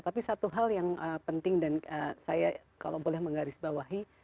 tapi satu hal yang penting dan saya kalau boleh menggarisbawahi